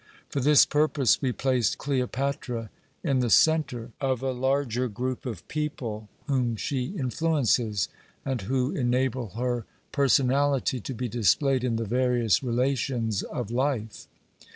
For this purpose we placed Cleopatra in the centre of a larger group of people, whom she influences, and who enable her personality to be displayed in the various relations of life.